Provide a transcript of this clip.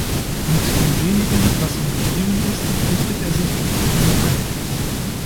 Mit dem Wenigen, was ihm geblieben ist, richtet er sich auf der Insel ein.